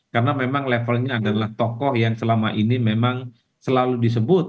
karena memang levelnya adalah tokoh yang selama ini memang selalu disebut